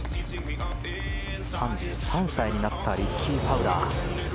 ３３歳になったリッキー・ファウラー。